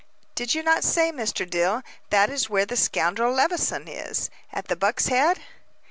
"Did you not say, Mr. Dill, that was where the scoundrel Levison is at the Buck's Head?"